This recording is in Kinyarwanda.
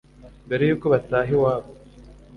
mbere y’uko bataha iwabo